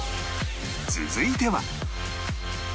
続いては